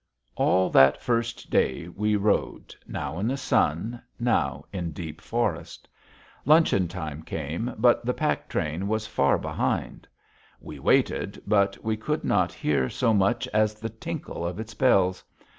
All that first day we rode, now in the sun, now in deep forest. Luncheon time came, but the pack train was far behind. We waited, but we could not hear so much as the tinkle of its bells.